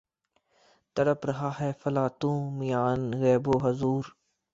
تڑپ رہا ہے فلاطوں میان غیب و حضور